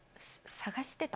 探してた？